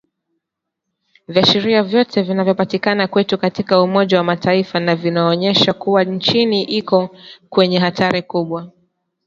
Viashiria vyote vinavyopatikana kwetu katika umoja wa Mataifa na vinaonyesha kuwa nchi iko kwenye hatari kubwa